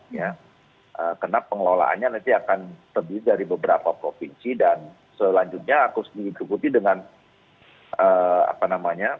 karena pengelolaannya nanti akan terdiri dari beberapa provinsi dan selanjutnya harus diikuti dengan